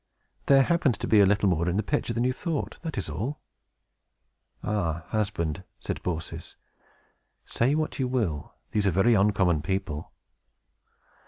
There happened to be a little more in the pitcher than you thought, that is all." "Ah, husband," said Baucis, "say what you will, these are very uncommon people."